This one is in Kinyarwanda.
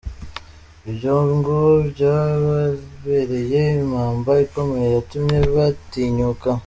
Ibyo ngo byababereye impamba ikomeye yatumye batinyuka.